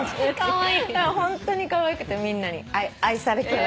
ホントにかわいくてみんなに愛されキャラ。